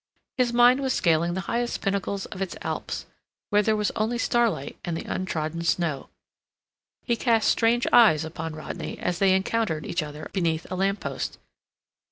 His mind was scaling the highest pinnacles of its alps, where there was only starlight and the untrodden snow. He cast strange eyes upon Rodney, as they encountered each other beneath a lamp post.